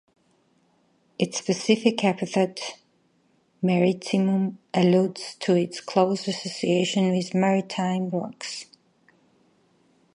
Its specific epithet "maritimum" alludes to its close association with maritime rocks.